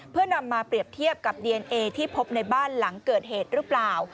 เพื่อนำมาเปรียบเทียบกับดีเอนเอที่พบในบ้านหลังเกิดเหตุหรือเปล่า